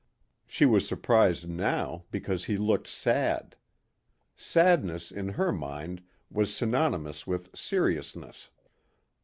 She was surprised now because he looked sad. Sadness in her mind was synonymous with seriousness.